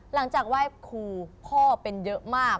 หลังจากไหว้ครูพ่อเป็นเยอะมาก